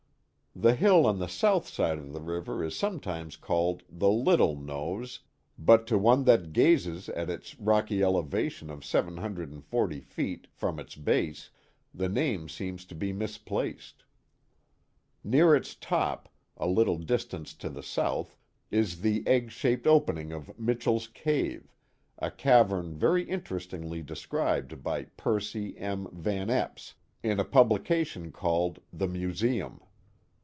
The hill on the south side of the river is sometimes called the " Little " Nose, but to one that gazes at its rocky eleva tion of 740 feet, from its base, the name seems to be misplaced. Near its top, a little distance to the south, is the egg shaped opening of " Mitchell's cave," a cavern very interestingly de scribed by Percy M. Van Epps, in a publication called The Museum.